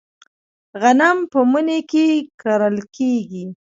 غنم په مني کې کرل کیږي.